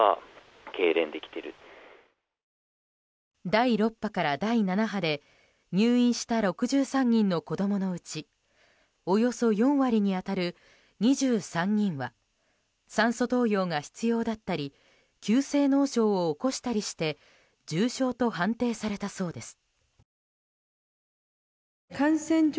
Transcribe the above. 第６波から第７波で入院した６３人の子供のうちおよそ４割に当たる２３人は酸素投与が必要だったり急性脳症を起こしたりして重症と判定されたそうです。